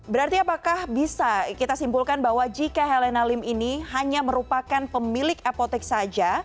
berarti apakah bisa kita simpulkan bahwa jika helena lim ini hanya merupakan pemilik apotek saja